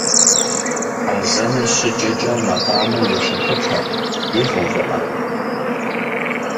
Азэныр щыджэкӏэ макъамэр ешэхыпэ е гъэувыӏэ.